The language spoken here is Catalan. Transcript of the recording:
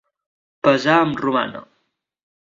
Pesar amb romana.